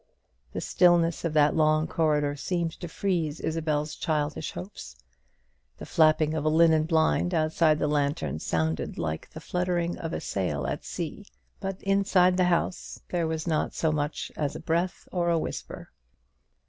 The stillness of that long corridor seemed to freeze Isabel's childish hopes. The flapping of a linen blind outside the lantern sounded like the fluttering of a sail at sea; but inside the house there was not so much as a breath or a whisper.